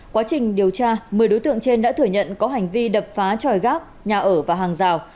quá trình điều tra một mươi đối tượng trên đã thừa nhận có hành vi đập phá tròi gác nhà ở và hàng rào